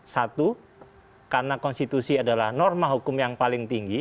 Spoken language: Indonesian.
satu karena konstitusi adalah norma hukum yang paling tinggi